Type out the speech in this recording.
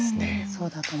そうだと思います。